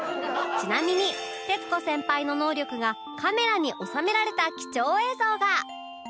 ちなみに徹子先輩の能力がカメラに収められた貴重映像が